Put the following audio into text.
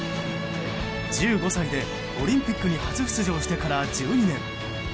１５歳でオリンピックに初出場してから１２年。